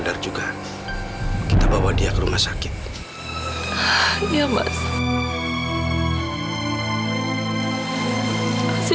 bawa kembali amirah ke sini